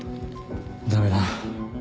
ダメだ。